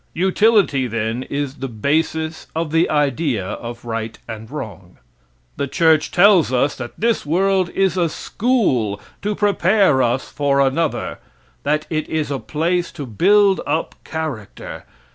Utility, then, is the basis of the idea of right and wrong. The church tells us that this world is a school to prepare us for another, that it is a place to build up character.